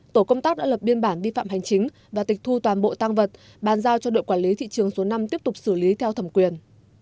tổ công tác đã lập biên bản vi phạm hành chính và tịch thu toàn bộ tăng vật bàn giao cho đội quản lý thị trường số năm tiếp tục xử lý theo thẩm quyền